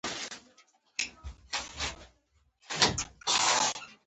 هغه شخص دې د هر څاڅکي احساس ولیکي.